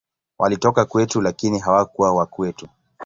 Walitoka kwetu, lakini hawakuwa wa kwetu.